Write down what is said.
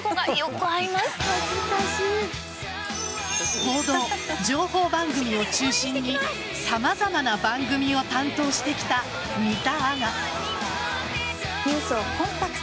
報道・情報番組を中心に様々な番組を担当してきた三田アナ。